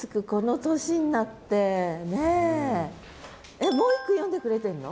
えっもう１句詠んでくれてるの？